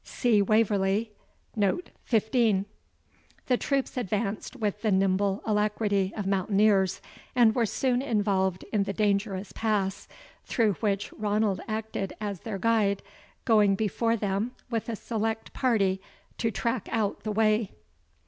See WAVERLY, Note XV.] The troops advanced with the nimble alacrity of mountaineers, and were soon involved in the dangerous pass, through which Ranald acted as their guide, going before them with a select party, to track out the way.